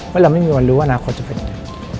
เราไม่มีวันรู้ว่าหน้าของจะเป็นไง